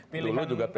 dulu juga pdp